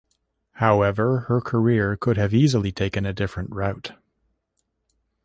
However, her career could have easily taken a different route.